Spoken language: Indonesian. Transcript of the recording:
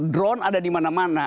drone ada dimana mana